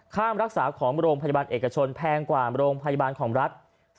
ค่ารักษาของโรงพยาบาลเอกชนแพงกว่าโรงพยาบาลของรัฐ